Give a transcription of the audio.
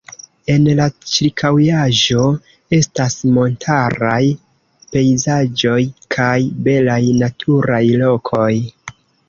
En la ĉirkaŭaĵo estas montaraj pejzaĝoj kaj belaj naturaj lokoj.